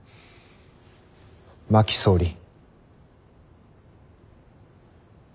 真木総理。